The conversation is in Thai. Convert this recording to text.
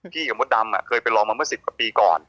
พี่กับรถดำอะเคยไปรอมาเมื่อ๑๐ปีก่อน